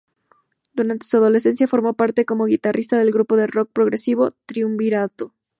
Durante su adolescencia formó parte como guitarrista del grupo de Rock progresivo Triunvirato.